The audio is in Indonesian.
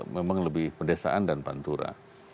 memang lebih pedesaan dan pantura